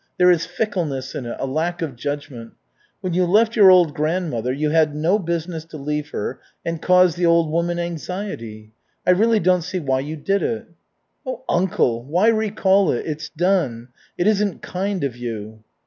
There is fickleness in it, a lack of judgment. When you left your old grandmother, you had no business to leave her and cause the old woman anxiety. I really don't see why you did it." "Oh, uncle, why recall it? It's done. It isn't kind of you."